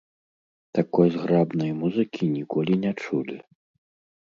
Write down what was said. Такой зграбнай музыкі ніколі не чулі.